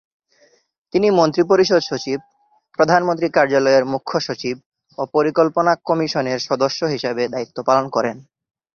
তিনি মন্ত্রিপরিষদ সচিব, প্রধানমন্ত্রী কার্যালয়ের মূখ্য সচিব ও পরিকল্পনা কমিশনের সদস্য হিসেবে দায়িত্ব পালন করেন।